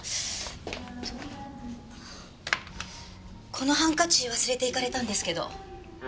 このハンカチ忘れていかれたんですけど。